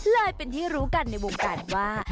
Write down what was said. เลยเป็นที่รู้กันในวงการว่า